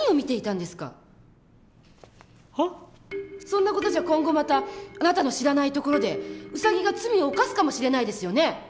そんな事じゃ今後またあなたの知らないところでウサギが罪を犯すかもしれないですよね？